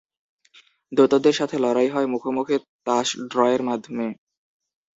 দৈত্যদের সাথে লড়াই হয় মুখোমুখি তাস ড্রয়ের মাধ্যমে।